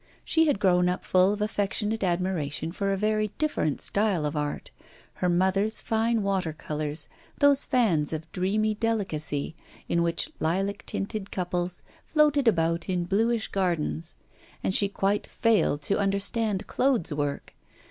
She had grown up full of affectionate admiration for a very different style of art her mother's fine water colours, those fans of dreamy delicacy, in which lilac tinted couples floated about in bluish gardens and she quite failed to understand Claude's work.